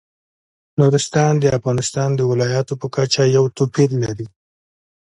نورستان د افغانستان د ولایاتو په کچه یو توپیر لري.